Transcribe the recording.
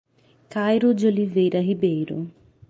Cairo de Oliveira Ribeiro